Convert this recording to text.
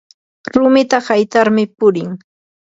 rumita haytarmi purin